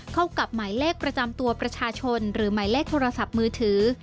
เข้ากับหมายเลขประจำตัวประชาชนหรือหมายเลขโทรศัพท์มือถือ